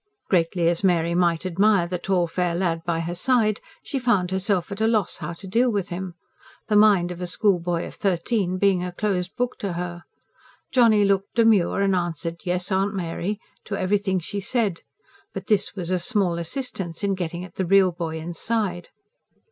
Greatly as Mary might admire the tall fair lad by her side, she found herself at a loss how to deal with him, the mind of a schoolboy of thirteen being a closed book to her. Johnny looked demure and answered "Yes, Aunt Mary," to everything she said; but this was of small assistance in getting at the real boy inside.